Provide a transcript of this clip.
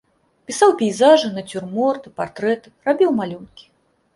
Пісаў пейзажы, нацюрморты, партрэты, рабіў малюнкі.